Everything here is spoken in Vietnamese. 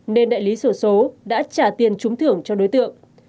nên đại lý sổ số đã trả tiền trúng thưởng cho đối tượng